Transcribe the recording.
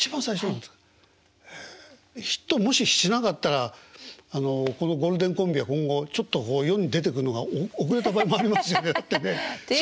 ヒットもししなかったらあのこのゴールデンコンビは今後ちょっとこう世に出てくんのが遅れた場合もありますよねだってね。